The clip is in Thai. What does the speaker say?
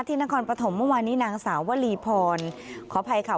นครปฐมเมื่อวานนี้นางสาววลีพรขออภัยค่ะ